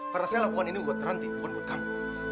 karena saya lakukan ini buat terhenti bukan buat kamu